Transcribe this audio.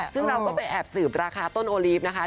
ซึ่งเราก็ไปแอบสืบราคาต้นโอลีฟนะคะ